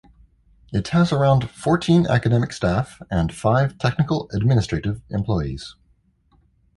It has around fourteen academic staff and five technical-administrative employees.